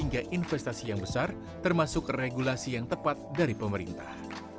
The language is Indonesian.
dan juga dari penerapan teknologi yang besar termasuk regulasi yang tepat dari pemerintah